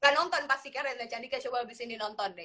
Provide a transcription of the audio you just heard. gak nonton pasti keren reza candika coba disini nonton deh